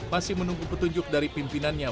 masih menunggu petunjuk dari pimpinannya